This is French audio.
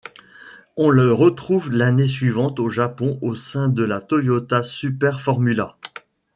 On le retrouve l'année suivante au Japon au sein de la Toyota Super Formula.